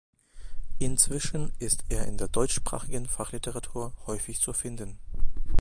Inzwischen ist er in der deutschsprachigen Fachliteratur häufig zu finden.